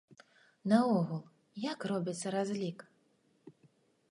Наогул, як робіцца разлік?